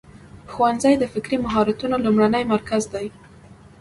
ښوونځی د فکري مهارتونو لومړنی مرکز دی.